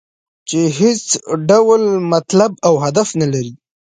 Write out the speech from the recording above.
چې هېڅ ډول مطلب او هدف نه لري.